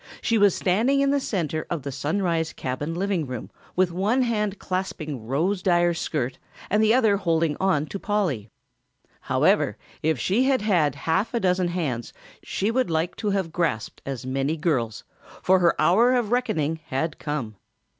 She was standing in the center of the Sunrise cabin living room with one hand clasping Rose Dyer's skirt and the other holding on to Polly. However, if she had had half a dozen hands she would like to have grasped as many girls, for her hour of reckoning had come.